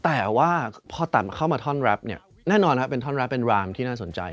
แต่ว่าพอต่ำเข้ามาท่อนแรปเนี่ยแน่นอนเป็นท่อนรับเป็นรามที่น่าสนใจ